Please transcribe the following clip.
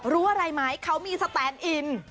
รู้อะไรไหมเขามีสแตนอิน